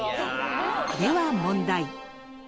では問題。